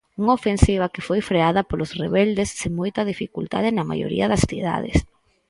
Unha ofensiva que foi freada polos rebeldes sen moita dificultade na maioría das cidades.